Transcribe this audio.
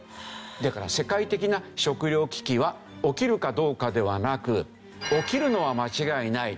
だから世界的な食料危機は起きるかどうかではなく起きるのは間違いない。